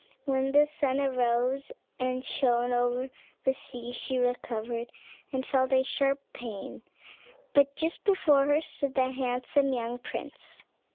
When the sun arose and shone over the sea, she recovered, and felt a sharp pain; but just before her stood the handsome young prince.